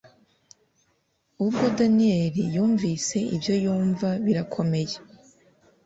ubwo daniel yumvise ibyo yumva birakomeye,